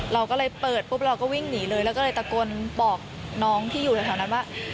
เราก็เลยเปิดปุ๊บเราก็วิ่งหนีเลยแล้วก็เลยตะโกนบอกน้องที่อยู่แถวนั้นว่า